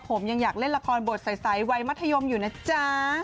ผมยังอยากเล่นละครบทใสวัยมัธยมอยู่นะจ๊ะ